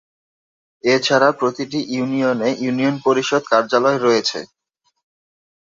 এছাড়া প্রতিটি ইউনিয়নে ইউনিয়ন পরিষদ কার্য্যালয় রয়েছে।